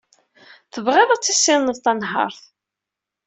Tebɣiḍ ad tissineḍ tanhaṛt.